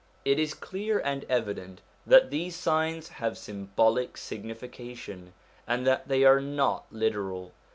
It is clear and evident that these signs have symbolic signification, and that they are not literal.